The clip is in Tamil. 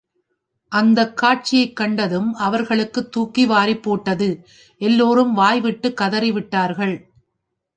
அந்தக் காட்சியைக் கண்டதும், அவர்களுக்குத் துக்கி வாரிப்போட்டது எல்லோரும் வாய்விட்டுக் கதறிவிட்டார்கள்.